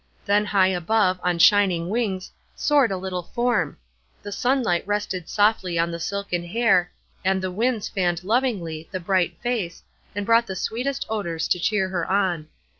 Then high above, on shining wings, soared a little form. The sunlight rested softly on the silken hair, and the winds fanned lovingly the bright face, and brought the sweetest odors to cheer her on.